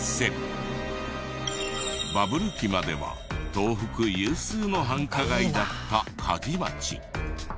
バブル期までは東北有数の繁華街だった鍛冶町。